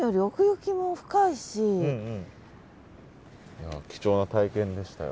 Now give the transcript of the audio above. いや貴重な体験でしたよ。